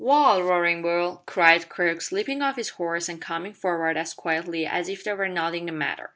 "Wall, Roaring Bull," cried Crux, leaping off his horse and coming forward as quietly as if there were nothing the matter.